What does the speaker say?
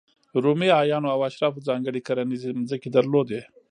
رومي اعیانو او اشرافو ځانګړې کرنیزې ځمکې درلودې.